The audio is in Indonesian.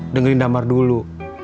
dengerin damar dulu